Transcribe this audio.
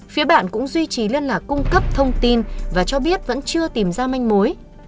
phía bạn cũng duy trì liên lạc cung cấp thông tin và cho biết vẫn chưa tìm ra manh mối